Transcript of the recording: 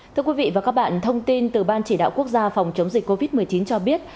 thưa quý vị và các bạn thông tin từ ban chỉ đạo quốc gia phòng chống dịch covid một mươi chín cho biết